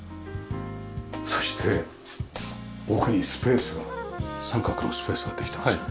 そして奥にスペースが三角のスペースができてますよね。